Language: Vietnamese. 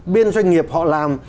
bên doanh nghiệp họ làm